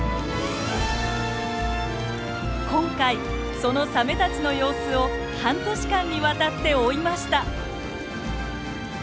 今回そのサメたちの様子を半年間にわたって追いました。